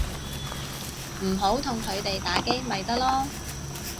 唔好同佢哋打機咪得囉